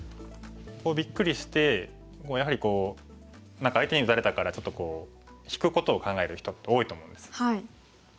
びっくりしてやはり何か相手に打たれたからちょっとこう引くことを考える人多いと思うんです。